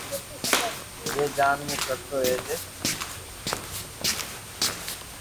جي جان مون ڪرتو رھجي